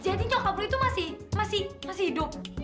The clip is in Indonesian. jadi cokablu itu masih hidup